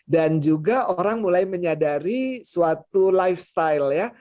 dan juga orang mulai menyadari suatu lifestyle ya